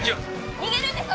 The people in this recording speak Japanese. ・逃げるんですか？